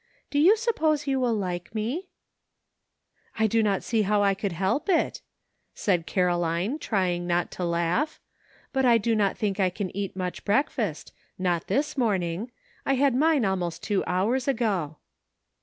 Do you suppose you will like me? " ''I do not see how I could help it," said Caroline, trying not to laugh; "but I do not think I can eat much breakfast — not this morn ing; I had mine almost two hours ago."